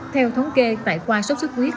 theo thống kê tại khoa sốt sốt khuyết